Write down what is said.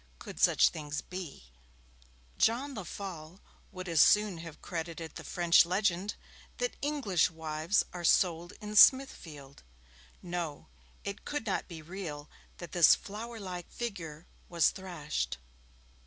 Could such things be? John Lefolle would as soon have credited the French legend that English wives are sold in Smithfield. No! it could not be real that this flower like figure was thrashed.